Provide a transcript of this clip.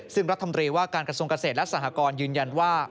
ซึ่งรัฐมนตรีว่าการกระทรวงเกษตรและสหกรยืนยันว่า